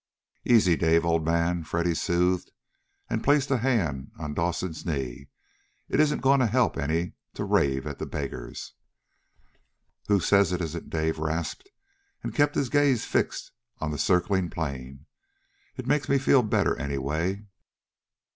"Easy, Dave, old man!" Freddy soothed, and placed a hand on Dawson's knee. "It isn't going to help any to rave at the beggars." "Who says it isn't?" Dave rasped, and kept his gaze fixed on the circling plane. "It makes me feel better, anyway.